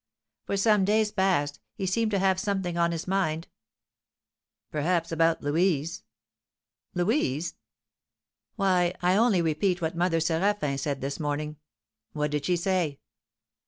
"For some days past he seemed to have something on his mind." "Perhaps about Louise." "Louise?" "Why, I only repeat what Mother Séraphin said this morning." "What did she say?"